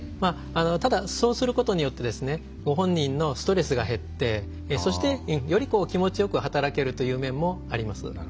ただそうすることによってご本人のストレスが減ってそしてより気持ちよく働けるという面もあります。